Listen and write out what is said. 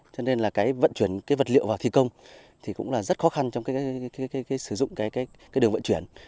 cho nên vận chuyển vật liệu vào thi công cũng rất khó khăn trong sử dụng đường vận chuyển